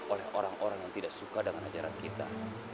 oleh orang orang yang tidak suka dengan ajaran kita